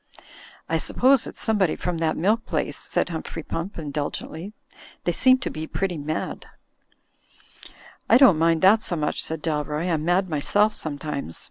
"I suppose it's somebody from that milk place," said Humphrey Pump, indulgently. "They seem to be pretty mad." "I don't mind that so much," said Dalroy, "I'm mad myself sometimes.